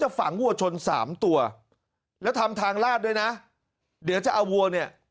ฝังวัวชนสามตัวแล้วทำทางลาดด้วยนะเดี๋ยวจะเอาวัวเนี่ย